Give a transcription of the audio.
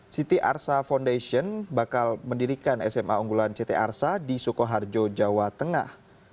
ct arsa foundation bakal mendirikan sma unggulan ct arsa di sukoharjo jawa tengah